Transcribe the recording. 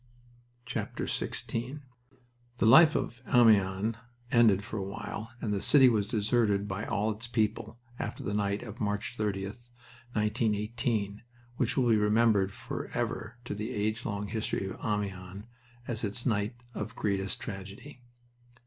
XVI The life of Amiens ended for a while, and the city was deserted by all its people, after the night of March 30, 1918, which will be remembered forever to the age long history of Amiens as its night of greatest tragedy.